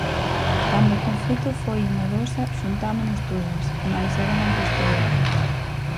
Cando o conflito foi en Odosa, xuntámonos todas, mais eran outros tempos.